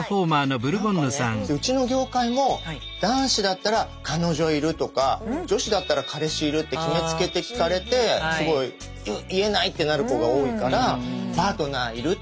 うちの業界も男子だったら彼女いるとか女子だったら彼氏いるって決めつけて聞かれてすごい「うっ言えない」ってなる子が多いから確かに。